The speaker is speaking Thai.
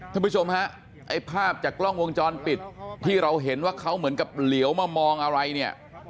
ท่านผู้ชมฮะไอ้ภาพจากกล้องวงจรปิดที่เราเห็นว่าเขาเหมือนกับเหลียวมามองอะไรเนี่ย